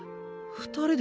２人で？